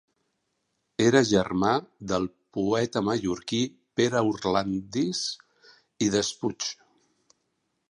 Era germà del poeta mallorquí Pere Orlandis i Despuig.